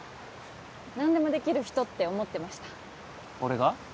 何でもできる人って思ってました俺が？